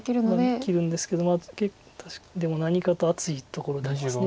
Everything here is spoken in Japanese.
生きるんですけどまあでも何かと厚いところではあります。